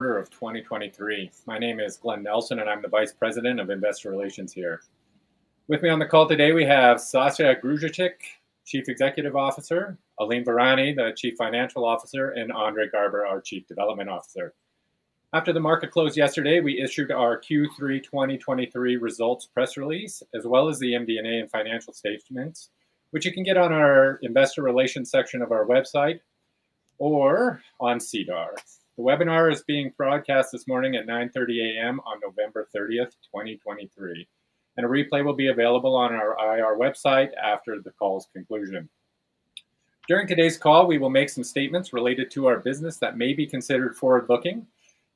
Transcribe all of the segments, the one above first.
of 2023. My name is Glen Nelson, and I'm the Vice President of Investor Relations here. With me on the call today, we have Sasha Grujicic, Chief Executive Officer, Alim Virani, the Chief Financial Officer, and Andre Garber, our Chief Development Officer. After the market closed yesterday, we issued our Q3 2023 results press release, as well as the MD&A and financial statements, which you can get on our investor relations section of our website or on SEDAR. The webinar is being broadcast this morning at 9:30 A.M. on November 30th, 2023, and a replay will be available on our IR website after the call's conclusion. During today's call, we will make some statements related to our business that may be considered forward-looking.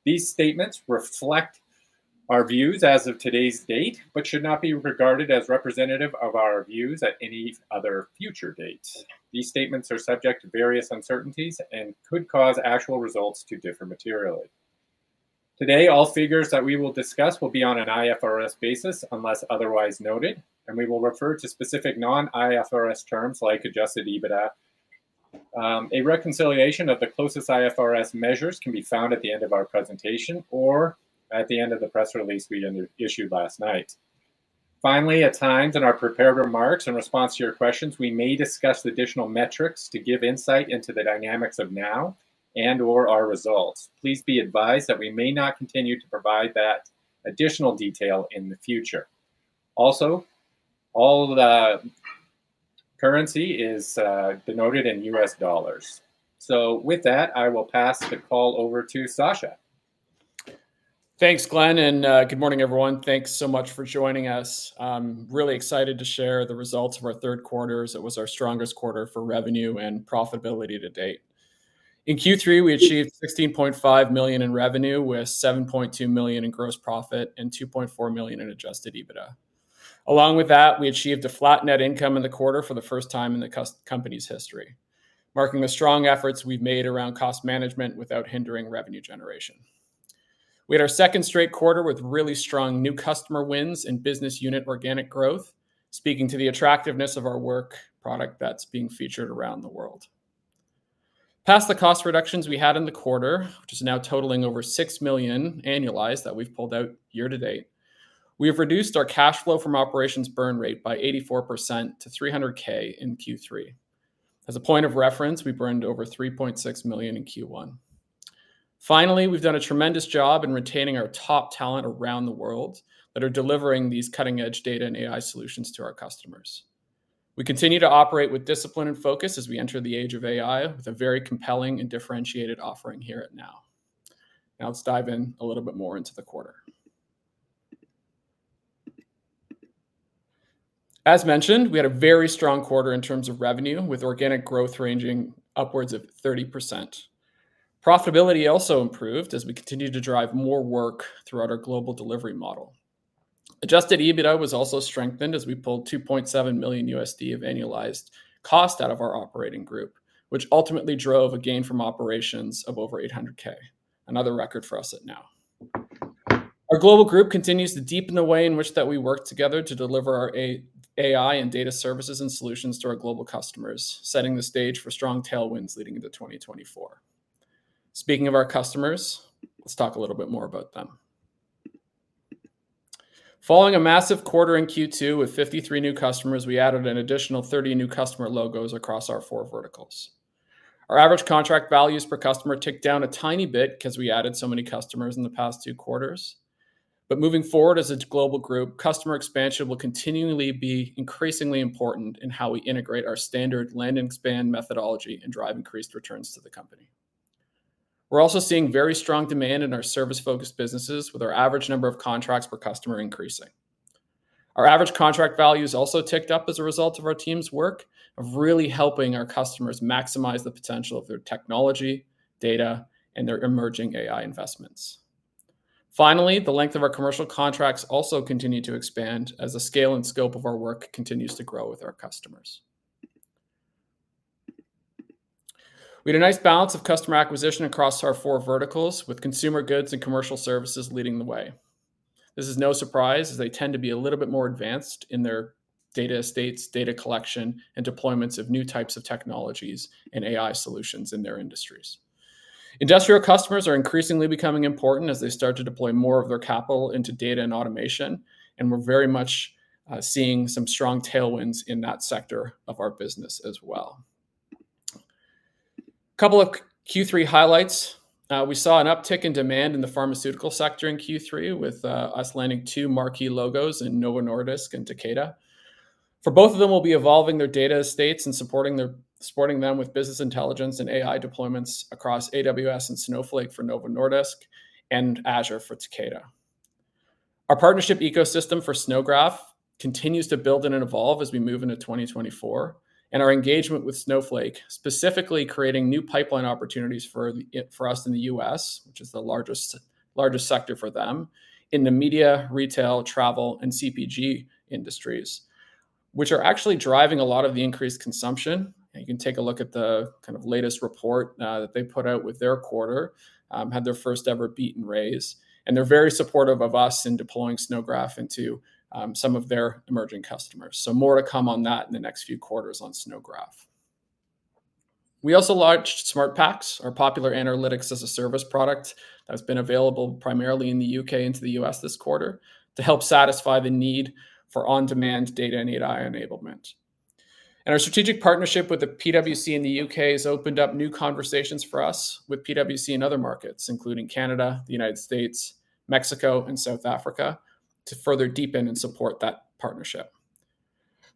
These statements reflect our views as of today's date, but should not be regarded as representative of our views at any other future dates. These statements are subject to various uncertainties and could cause actual results to differ materially. Today, all figures that we will discuss will be on an IFRS basis, unless otherwise noted, and we will refer to specific non-IFRS terms, like Adjusted EBITDA. A reconciliation of the closest IFRS measures can be found at the end of our presentation or at the end of the press release we issued last night. Finally, at times in our prepared remarks, in response to your questions, we may discuss additional metrics to give insight into the dynamics of Now and/or our results. Please be advised that we may not continue to provide that additional detail in the future. Also, all the currency is denoted in U.S. dollars. With that, I will pass the call over to Sasha. Thanks, Glen, and good morning, everyone. Thanks so much for joining us. I'm really excited to share the results of our Q3, as it was our strongest quarter for revenue and profitability to date. In Q3, we achieved $16.5 million in revenue, with $7.2 million in gross profit and $2.4 million in Adjusted EBITDA. Along with that, we achieved a flat net income in the quarter for the first time in the company's history, marking the strong efforts we've made around cost management without hindering revenue generation. We had our second straight quarter with really strong new customer wins and business unit organic growth, speaking to the attractiveness of our work product that's being featured around the world. Past the cost reductions we had in the quarter, which is now totaling over $6 million annualized that we've pulled out year to date, we have reduced our cash flow from operations burn rate by 84% to $Adjusted EBITDA in Q3. As a point of reference, we burned over $3.6 million in Q1. Finally, we've done a tremendous job in retaining our top talent around the world that are delivering these cutting-edge data and AI solutions to our customers. We continue to operate with discipline and focus as we enter the age of AI, with a very compelling and differentiated offering here at Now. Now let's dive in a little bit more into the quarter. As mentioned, we had a very strong quarter in terms of revenue, with organic growth ranging upwards of 30%. Profitability also improved as we continued to drive more work throughout our global delivery model. Adjusted EBITDA was also strengthened as we pulled $2.7 million of annualized cost out of our operating group, which ultimately drove a gain from operations of over $800,000, another record for us at Now. Our global group continues to deepen the way in which that we work together to deliver our AI and data services and solutions to our global customers, setting the stage for strong tailwinds leading into 2024. Speaking of our customers, let's talk a little bit more about them. Following a massive quarter in Q2 with 53 new customers, we added an additional 30 new customer logos across our four verticals. Our average contract values per customer ticked down a tiny bit because we added so many customers in the past two quarters. But moving forward as a global group, customer expansion will continually be increasingly important in how we integrate our standard land and expand methodology and drive increased returns to the company. We're also seeing very strong demand in our service-focused businesses, with our average number of contracts per customer increasing. Our average contract values also ticked up as a result of our team's work of really helping our customers maximize the potential of their technology, data, and their emerging AI investments. Finally, the length of our commercial contracts also continued to expand as the scale and scope of our work continues to grow with our customers. We had a nice balance of customer acquisition across our four verticals, with consumer goods and commercial services leading the way. This is no surprise, as they tend to be a little bit more advanced in their data estates, data collection, and deployments of new types of technologies and AI solutions in their industries. Industrial customers are increasingly becoming important as they start to deploy more of their capital into data and automation, and we're very much seeing some strong tailwinds in that sector of our business as well. Couple of Q3 highlights. We saw an uptick in demand in the pharmaceutical sector in Q3, with us landing two marquee logos in Novo Nordisk and Takeda. For both of them, we'll be evolving their data estates and supporting them with business intelligence and AI deployments across AWS and Snowflake for Novo Nordisk and Azure for Takeda. Our partnership ecosystem for SnowGraph continues to build and evolve as we move into 2024, and our engagement with Snowflake, specifically creating new pipeline opportunities for it—for us in the U.S., which is the largest, largest sector for them, in the media, retail, travel, and CPG industries, which are actually driving a lot of the increased consumption. You can take a look at the kind of latest report that they put out with their quarter, had their first-ever beat and raise, and they're very supportive of us in deploying SnowGraph into some of their emerging customers. So more to come on that in the next few quarters on SnowGraph. We also launched SmartPacks, our popular analytics as a service product, that has been available primarily in the U.K. into the U.S. this quarter, to help satisfy the need for on-demand data and AI enablement. And our strategic partnership with the PwC in the U.K. has opened up new conversations for us with PwC in other markets, including Canada, the United States, Mexico, and South Africa, to further deepen and support that partnership.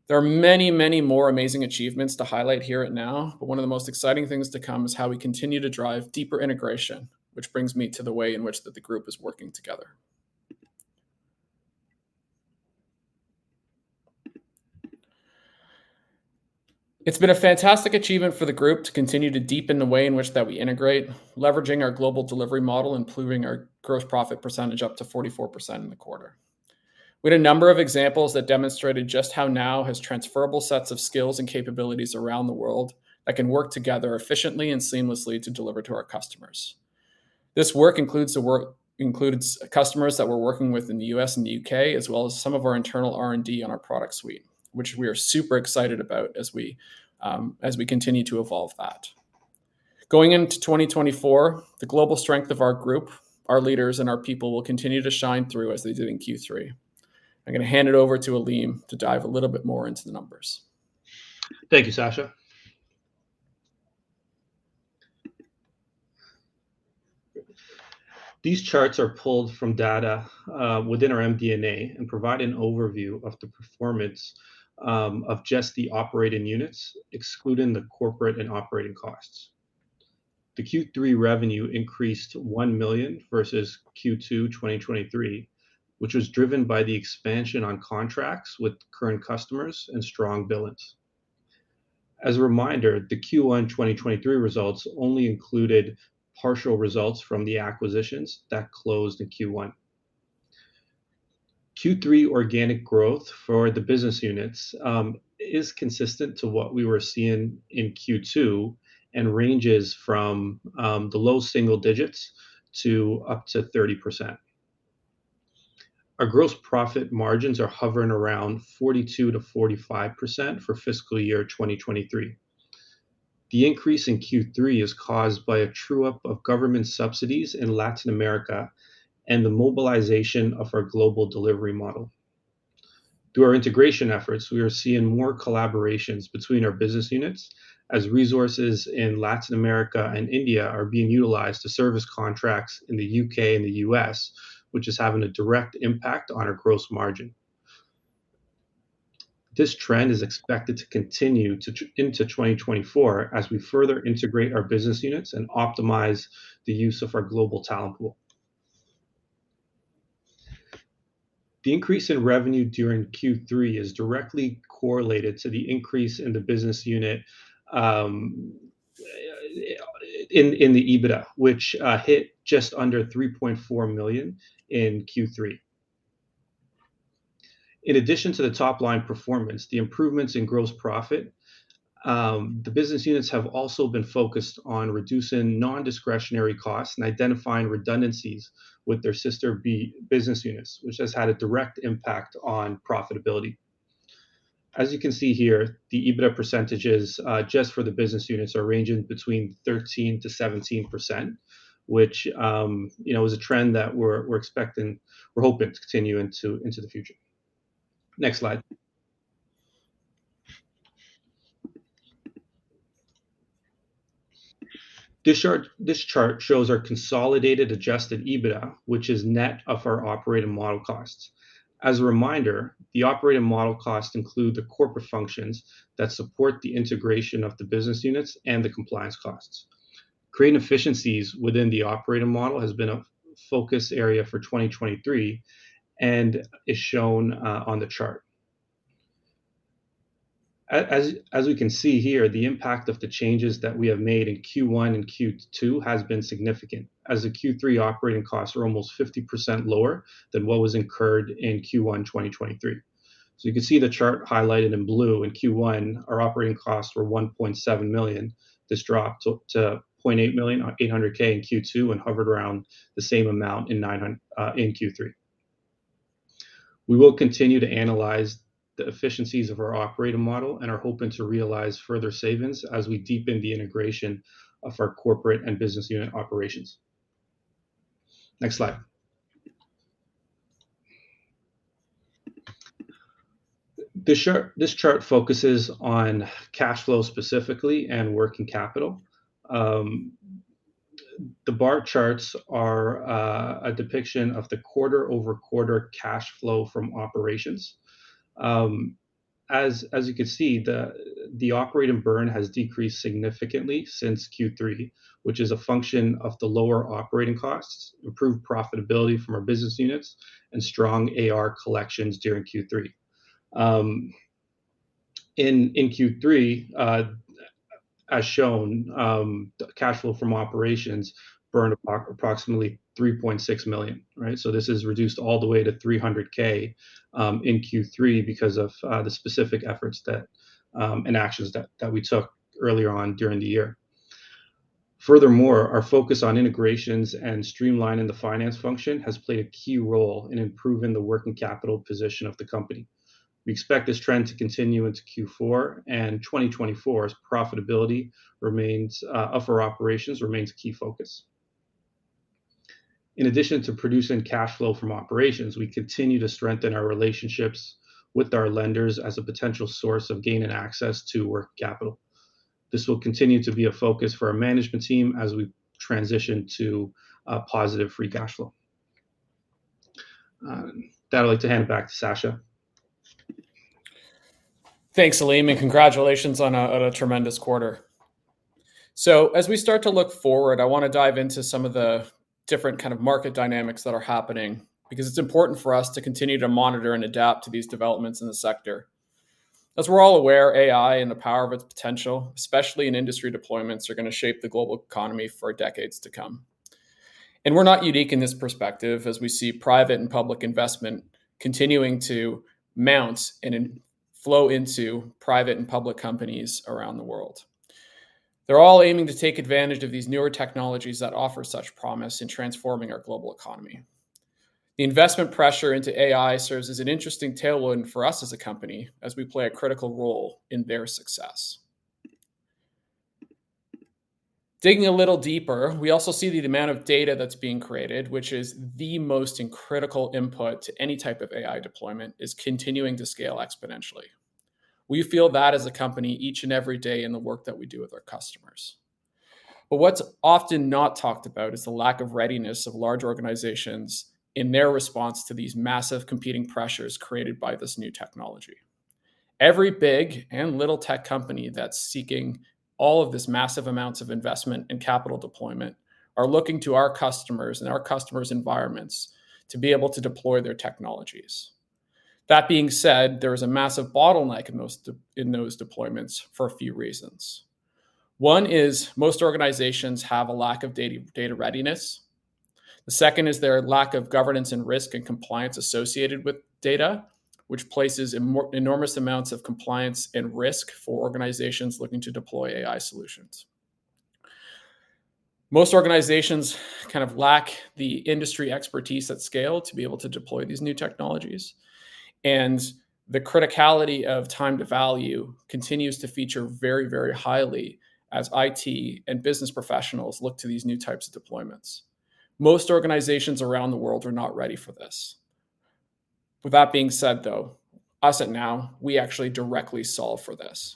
There are many, many more amazing achievements to highlight here at Now, but one of the most exciting things to come is how we continue to drive deeper integration, which brings me to the way in which that the group is working together. It's been a fantastic achievement for the group to continue to deepen the way in which that we integrate, leveraging our global delivery model, improving our gross profit percentage up to 44% in the quarter. We had a number of examples that demonstrated just how Now has transferable sets of skills and capabilities around the world, that can work together efficiently and seamlessly to deliver to our customers. This work includes customers that we're working with in the U.S. and the U.K., as well as some of our internal R&D on our product suite, which we are super excited about as we continue to evolve that. Going into 2024, the global strength of our group, our leaders, and our people will continue to shine through as they did in Q3. I'm gonna hand it over to Alim to dive a little bit more into the numbers. Thank you, Sasha. These charts are pulled from data within our MD&A and provide an overview of the performance of just the operating units, excluding the corporate and operating costs. The Q3 revenue increased $1 million versus Q2 2023, which was driven by the expansion on contracts with current customers and strong billings. As a reminder, the Q1 2023 results only included partial results from the acquisitions that closed in Q1. Q3 organic growth for the business units is consistent to what we were seeing in Q2 and ranges from the low single digits to up to 30%. Our gross profit margins are hovering around 42%-45% for fiscal year 2023. The increase in Q3 is caused by a true-up of government subsidies in Latin America and the mobilization of our global delivery model. Through our integration efforts, we are seeing more collaborations between our business units, as resources in Latin America and India are being utilized to service contracts in the U.K. and the U.S., which is having a direct impact on our gross margin. This trend is expected to continue into 2024 as we further integrate our business units and optimize the use of our global talent pool. The increase in revenue during Q3 is directly correlated to the increase in the business unit, in the EBITDA, which hit just under $3.4 million in Q3. In addition to the top-line performance, the improvements in gross profit, the business units have also been focused on reducing non-discretionary costs and identifying redundancies with their sister business units, which has had a direct impact on profitability. As you can see here, the EBITDA percentages just for the business units are ranging between 13%-17%, which, you know, is a trend that we're expecting—we're hoping to continue into the future. Next slide. This chart shows our consolidated Adjusted EBITDA, which is net of our operating model costs. As a reminder, the operating model costs include the corporate functions that support the integration of the business units and the compliance costs. Creating efficiencies within the operating model has been a focus area for 2023 and is shown on the chart. As we can see here, the impact of the changes that we have made in Q1 and Q2 has been significant, as the Q3 operating costs are almost 50% lower than what was incurred in Q1 2023. So you can see the chart highlighted in blue in Q1, our operating costs were $1.7 million. This dropped to point eight million, eight hundred K in Q2, and hovered around the same amount in Q3. We will continue to analyze the efficiencies of our operating model and are hoping to realize further savings as we deepen the integration of our corporate and business unit operations. Next slide. This chart, this chart focuses on cash flow specifically and working capital. The bar charts are a depiction of the quarter-over-quarter cash flow from operations. As you can see, the operating burn has decreased significantly since Q3, which is a function of the lower operating costs, improved profitability from our business units, and strong AR collections during Q3. In Q3, as shown, cash flow from operations burned approximately $3.6 million, right? So this is reduced all the way to $300,000 in Q3 because of the specific efforts that and actions that we took earlier on during the year. Furthermore, our focus on integrations and streamlining the finance function has played a key role in improving the working capital position of the company. We expect this trend to continue into Q4 and 2024 as profitability remains of our operations remains a key focus. In addition to producing cash flow from operations, we continue to strengthen our relationships with our lenders as a potential source of gaining access to working capital. This will continue to be a focus for our management team as we transition to positive free cash flow. With that, I'd like to hand it back to Sasha. Thanks, Alim, and congratulations on a tremendous quarter. So as we start to look forward, I want to dive into some of the different kind of market dynamics that are happening, because it's important for us to continue to monitor and adapt to these developments in the sector. As we're all aware, AI and the power of its potential, especially in industry deployments, are going to shape the global economy for decades to come. And we're not unique in this perspective, as we see private and public investment continuing to mount and flow into private and public companies around the world. They're all aiming to take advantage of these newer technologies that offer such promise in transforming our global economy. The investment pressure into AI serves as an interesting tailwind for us as a company, as we play a critical role in their success. Digging a little deeper, we also see the amount of data that's being created, which is the most and critical input to any type of AI deployment, is continuing to scale exponentially. We feel that as a company, each and every day in the work that we do with our customers. But what's often not talked about is the lack of readiness of large organizations in their response to these massive competing pressures created by this new technology. Every big and little tech company that's seeking all of this massive amounts of investment and capital deployment are looking to our customers and our customers' environments to be able to deploy their technologies. That being said, there is a massive bottleneck in those in those deployments for a few reasons. One is most organizations have a lack of data, data readiness. The second is their lack of governance and risk and compliance associated with data, which places enormous amounts of compliance and risk for organizations looking to deploy AI solutions. Most organizations kind of lack the industry expertise at scale to be able to deploy these new technologies, and the criticality of time to value continues to feature very, very highly as IT and business professionals look to these new types of deployments. Most organizations around the world are not ready for this. With that being said, though, us at Now, we actually directly solve for this.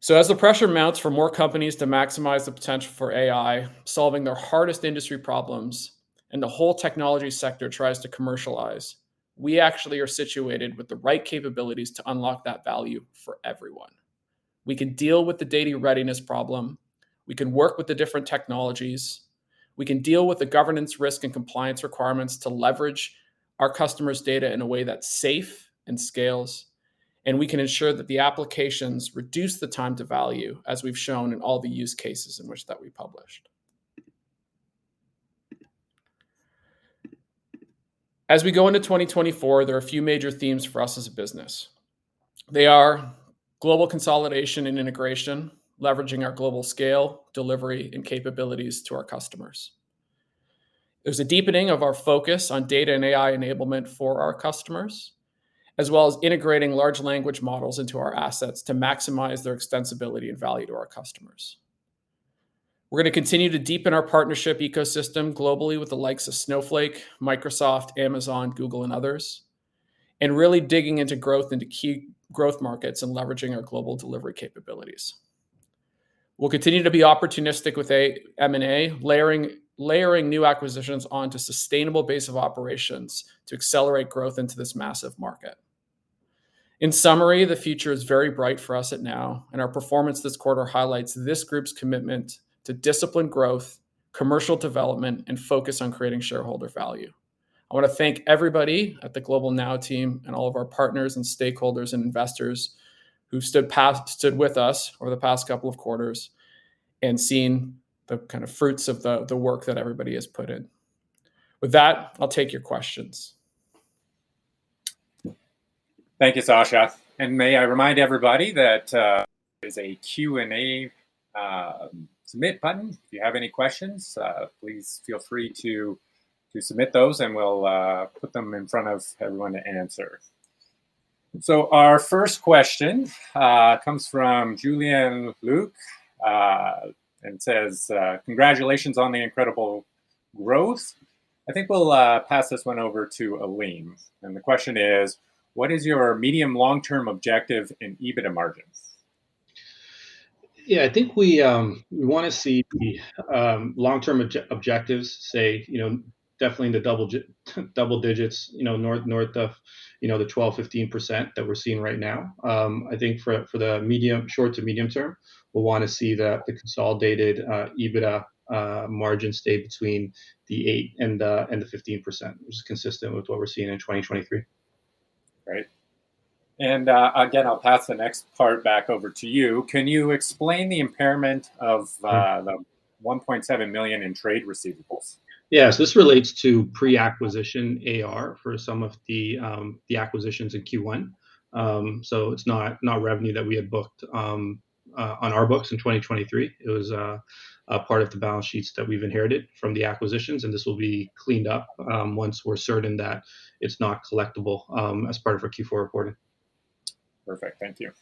So as the pressure mounts for more companies to maximize the potential for AI, solving their hardest industry problems, and the whole technology sector tries to commercialize, we actually are situated with the right capabilities to unlock that value for everyone. We can deal with the data readiness problem, we can work with the different technologies, we can deal with the governance risk and compliance requirements to leverage our customers' data in a way that's safe and scales, and we can ensure that the applications reduce the time to value, as we've shown in all the use cases in which we published. As we go into 2024, there are a few major themes for us as a business. They are global consolidation and integration, leveraging our global scale, delivery, and capabilities to our customers. There's a deepening of our focus on data and AI enablement for our customers, as well as integrating large language models into our assets to maximize their extensibility and value to our customers. We're going to continue to deepen our partnership ecosystem globally with the likes of Snowflake, Microsoft, Amazon, Google, and others, and really digging into growth into key growth markets and leveraging our global delivery capabilities. We'll continue to be opportunistic with M&A, layering new acquisitions onto sustainable base of operations to accelerate growth into this massive market. In summary, the future is very bright for us at Now, and our performance this quarter highlights this group's commitment to disciplined growth, commercial development, and focus on creating shareholder value. I want to thank everybody at the global Now team and all of our partners and stakeholders and investors who stood with us over the past couple of quarters and seen the kind of fruits of the work that everybody has put in. With that, I'll take your questions. Thank you, Sasha, and may I remind everybody that there's a Q&A submit button. If you have any questions, please feel free to submit those, and we'll put them in front of everyone to answer. So our first question comes from Julian Luke and says, "Congratulations on the incredible growth." I think we'll pass this one over to Alim. And the question is: What is your medium long-term objective in EBITDA margins? Yeah, I think we want to see the long-term objectives, say, you know, definitely in the double digits, you know, north of, you know, the 12%-15% that we're seeing right now. I think for the medium, short to medium term, we'll want to see the consolidated EBITDA margin stay between the 8% and the 15%, which is consistent with what we're seeing in 2023. Great. And, again, I'll pass the next part back over to you. Can you explain the impairment of $1.7 million in trade receivables? Yeah, so this relates to pre-acquisition AR for some of the acquisitions in Q1. So it's not revenue that we had booked on our books in 2023. It was a part of the balance sheets that we've inherited from the acquisitions, and this will be cleaned up once we're certain that it's not collectible as part of our Q4 reporting. Perfect. Thank you.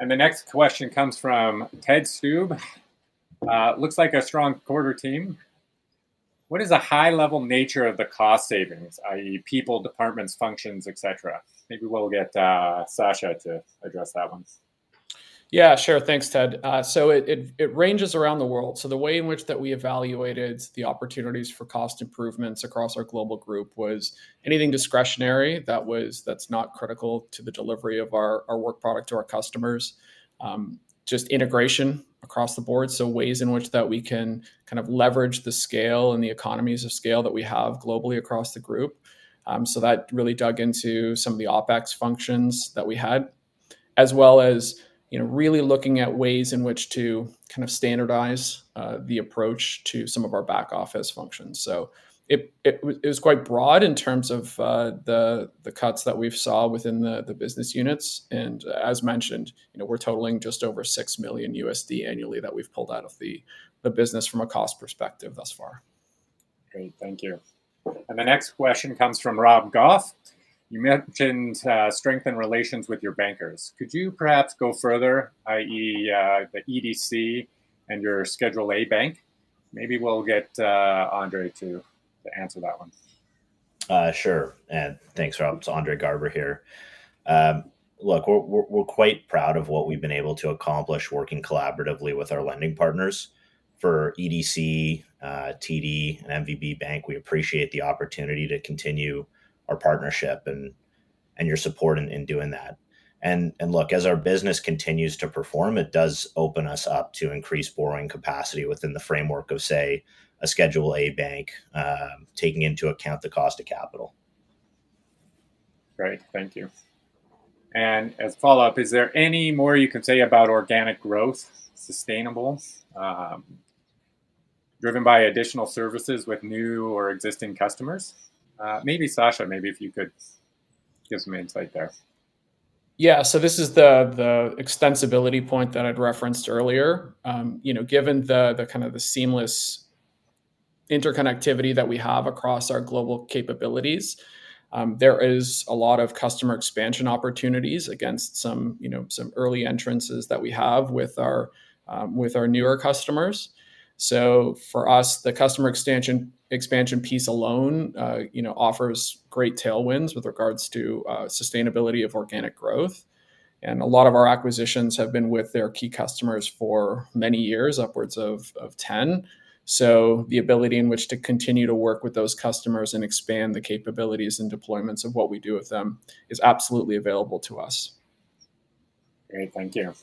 And the next question comes from Ted Stoob: "Looks like a strong quarter, team. What is the high-level nature of the cost savings, i.e., people, departments, functions, et cetera?" Maybe we'll get, Sasha to address that one. Yeah, sure. Thanks, Ted. So it ranges around the world. So the way in which that we evaluated the opportunities for cost improvements across our global group was anything discretionary that's not critical to the delivery of our work product to our customers, just integration across the board, so ways in which that we can kind of leverage the scale and the economies of scale that we have globally across the group. So that really dug into some of the OpEx functions that we had, as well as, you know, really looking at ways in which to kind of standardize the approach to some of our back office functions. So it was quite broad in terms of the cuts that we've saw within the business units, and as mentioned, you know, we're totaling just over $6 million annually that we've pulled out of the business from a cost perspective thus far. Great, thank you. And the next question comes from Rob Goff: "You mentioned strengthened relations with your bankers. Could you perhaps go further, i.e., the EDC and your Schedule A bank?" Maybe we'll get Andre to answer that one. Sure, and thanks, Rob. It's Andre Garber here. Look, we're quite proud of what we've been able to accomplish working collaboratively with our lending partners. For EDC, TD, and MVB Bank, we appreciate the opportunity to continue our partnership and your support in doing that. Look, as our business continues to perform, it does open us up to increased borrowing capacity within the framework of, say, a Schedule A bank, taking into account the cost of capital. Great, thank you. And as follow-up, is there any more you can say about organic growth, sustainable, driven by additional services with new or existing customers? Maybe Sasha, maybe if you could give some insight there. Yeah, so this is the extensibility point that I'd referenced earlier. You know, given the kind of seamless interconnectivity that we have across our global capabilities, there is a lot of customer expansion opportunities against some, you know, some early entrances that we have with our newer customers. So for us, the customer expansion piece alone, you know, offers great tailwinds with regards to sustainability of organic growth, and a lot of our acquisitions have been with their key customers for many years, upwards of 10. So the ability in which to continue to work with those customers and expand the capabilities and deployments of what we do with them is absolutely available to us. Great, thank you.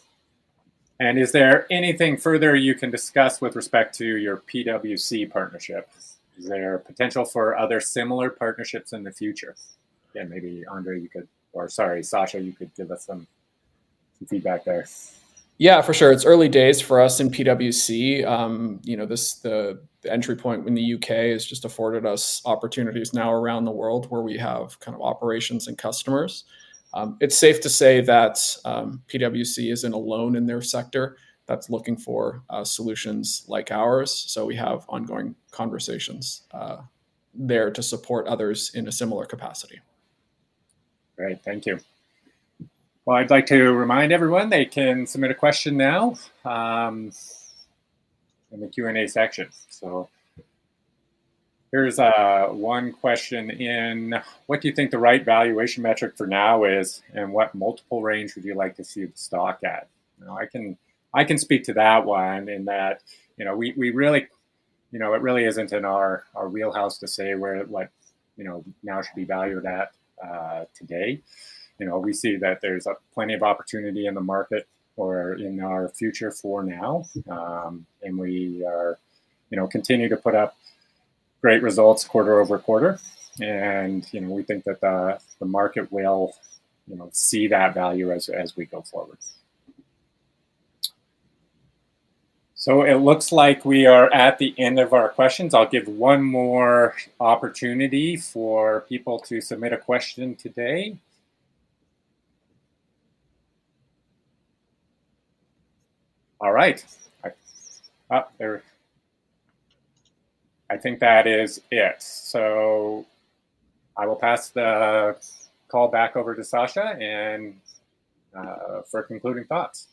Is there anything further you can discuss with respect to your PwC partnership? Is there potential for other similar partnerships in the future? Yeah, maybe Andre, you could... Or sorry, Sasha, you could give us some feedback there. Yeah, for sure. It's early days for us in PwC. You know, this, the entry point in the U.K. has just afforded us opportunities now around the world where we have kind of operations and customers. It's safe to say that PwC isn't alone in their sector that's looking for solutions like ours, so we have ongoing conversations there to support others in a similar capacity. Great, thank you. Well, I'd like to remind everyone they can submit a question now, in the Q&A section. So here's, one question in: What do you think the right valuation metric for Now is, and what multiple range would you like to see the stock at? You know, I can, I can speak to that one in that, you know, we, we really... You know, it really isn't in our, our wheelhouse to say where, like, you know, Now should be valued at, today. You know, we see that there's a plenty of opportunity in the market or in our future for Now, and we are, you know, continue to put up great results quarter over quarter. And, you know, we think that the, the market will, you know, see that value as, as we go forward. So it looks like we are at the end of our questions. I'll give one more opportunity for people to submit a question today. All right, I think that is it. So I will pass the call back over to Sasha and for concluding thoughts.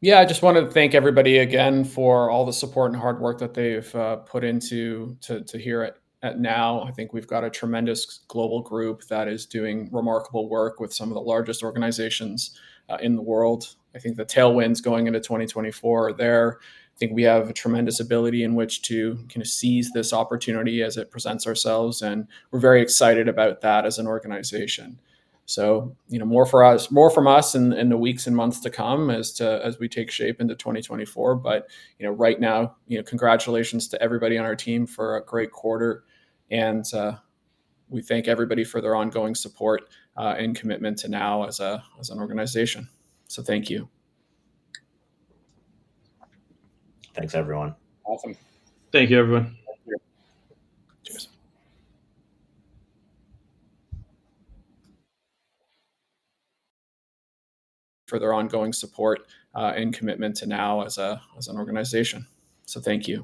Yeah, I just wanted to thank everybody again for all the support and hard work that they've put into here at Now. I think we've got a tremendous global group that is doing remarkable work with some of the largest organizations in the world. I think the tailwinds going into 2024 are there. I think we have a tremendous ability in which to kind of seize this opportunity as it presents ourselves, and we're very excited about that as an organization. So, you know, more from us in the weeks and months to come as we take shape into 2024. But, you know, right now, you know, congratulations to everybody on our team for a great quarter and we thank everybody for their ongoing support and commitment to Now as an organization. Thank you. Thanks, everyone. Awesome. Thank you, everyone. Thank you. Cheers. For their ongoing support, and commitment to Now as a, as an organization. So thank you.